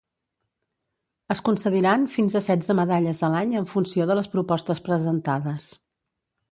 Es concediran fins a setze medalles a l’any en funció de les propostes presentades.